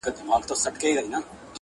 هغه له میني جوړي پرندې به واپس راسي,,